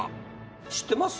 知ってます？